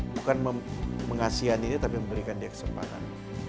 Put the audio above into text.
bukan mengasianinya tapi memberikan dia kesempatan